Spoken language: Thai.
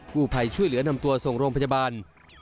ผู้ภัยช่วยเหลือนำตัวส่งโรงพยาบาล